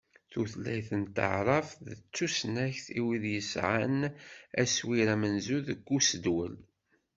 Tutlayt n taɛrabt d tusnakt i wid yesɛan aswir amenzu deg usedwel.